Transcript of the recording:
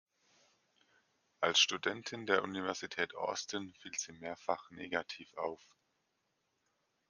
Als Studentin der Universität Austin fiel sie mehrfach negativ auf.